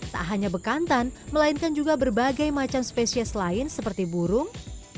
tak hanya bekantan melainkan juga berbagai macam spesies lain seperti burung